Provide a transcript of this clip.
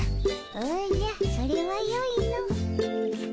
おじゃそれはよいの。